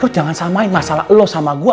jangan samain masalah lo sama gue